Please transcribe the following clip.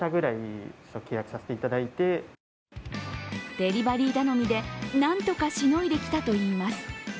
デリバリー頼みでなんとかしのいできたといいます。